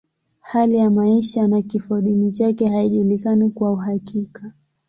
Hali ya maisha na kifodini chake haijulikani kwa uhakika.